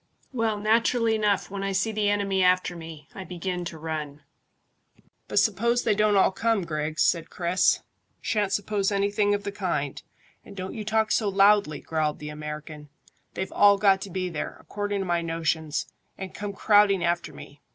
"Well, naturally enough when I see the enemy after me I begin to run." "But suppose they don't all come, Griggs?" said Chris. "Shan't suppose anything of the kind, and don't you talk so loudly," growled the American. "They've all got to be there, according to my notions, and come crowding after me.